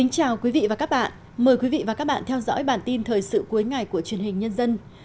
chào mừng quý vị đến với bản tin thời sự cuối ngày của truyền hình nhân dân